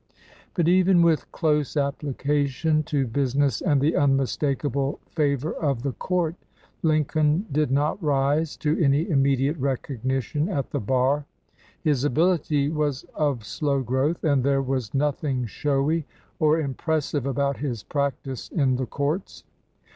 But even with close application to business and the unmistakable favor of the court, Lincoln did not rise to any immediate recognition at the bar. His ability was of slow growth, and there was nothing showy or impressive about his practice in the courts.